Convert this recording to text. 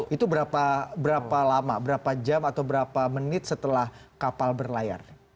itu berapa lama berapa jam atau berapa menit setelah kapal berlayar